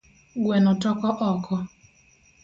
Gueno toko oko